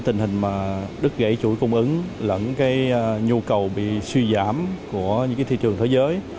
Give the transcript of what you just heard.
tình hình mà đứt gãy chuỗi cung ứng lẫn cái nhu cầu bị suy giảm của những thị trường thế giới